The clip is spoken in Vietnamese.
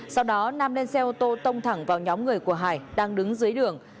sau đó nam lên xe ô tô tông thẳng vào nhóm người của hải đang đứng dưới đường